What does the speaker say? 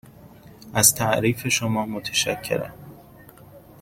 از تعریف شما متشکرم.